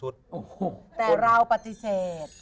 แต่เราปฏิเสธ